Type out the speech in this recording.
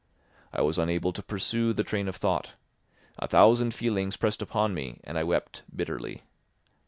I was unable to pursue the train of thought; a thousand feelings pressed upon me, and I wept bitterly.